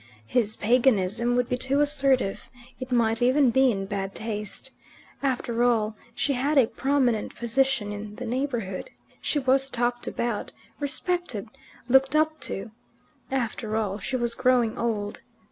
His paganism would be too assertive; it might even be in bad taste. After all, she had a prominent position in the neighbourhood; she was talked about, respected, looked up to. After all, she was growing old.